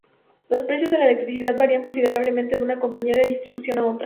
Los precios de la electricidad varían considerablemente de una compañía de distribución a otra.